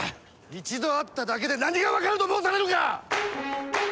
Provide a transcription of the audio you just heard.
一度会っただけで何が分かると申されるか！